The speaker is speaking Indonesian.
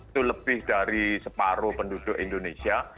itu lebih dari separuh penduduk indonesia